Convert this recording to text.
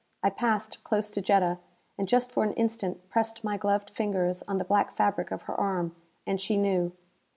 I passed close to Jetta, and just for an instant pressed my gloved fingers on the black fabric of her arm and she knew.